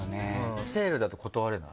セールだと断れない？